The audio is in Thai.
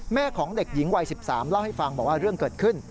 ของเด็กหญิงวัย๑๓เล่าให้ฟังบอกว่าเรื่องเกิดขึ้น